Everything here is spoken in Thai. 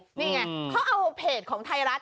นี่ไงเขาเอาเพจของไทยรัฐ